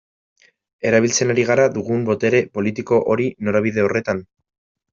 Erabiltzen ari gara dugun botere politiko hori norabide horretan?